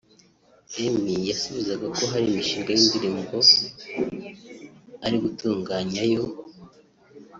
Emmy yasubizaga ko hari imishinga y’indirimbo ari gutunganya yo